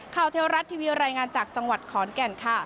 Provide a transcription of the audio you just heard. เทวรัฐทีวีรายงานจากจังหวัดขอนแก่นค่ะ